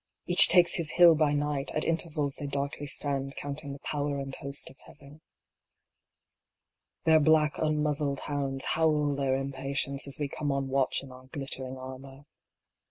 Each takes his hill by night, at intervals they darkly stand counting the power and host of Heaven. Their black unmuzzled hounds howl their impatience as we come on watch in our glittering armor.